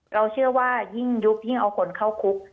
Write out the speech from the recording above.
เราเชื่อว่ายิ่งยุบยิ่งเอาคนเข้าคุก